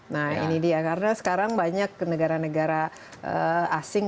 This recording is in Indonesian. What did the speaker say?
nah ini dia karena sekarang banyak negara negara asing